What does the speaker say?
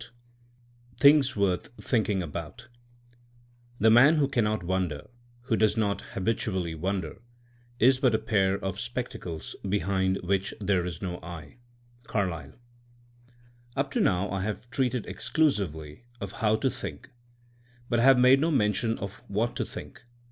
IX THINGS WOETH THINKING ABOUT THe man vho cannot wonder, who does not habit ually wonder, is bat a pair of spectacles behind which there is no eye. — CAHLYLiB. UP to now I have treated exclusively of how to think, but have made no mention of what to think.